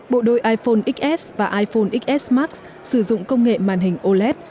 bộ đôi iphone xs và iphone xs max sử dụng công nghệ màn hình oled